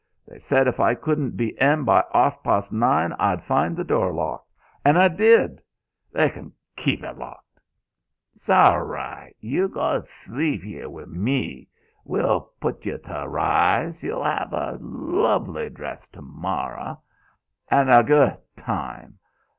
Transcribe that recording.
They said if I couldn't be in by arf past nine I'd find the door locked. And I did! They c'n keep it locked." "'S aw 'ri'. You go t'sleep 'ere wi' me. W'll put yo' t' ri's. Y'll 'av' a luvly dress t'morro', an' a go' time.